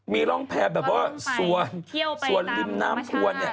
มีร่องแพร่แบบว่าส่วนริมน้ำทวนเนี่ย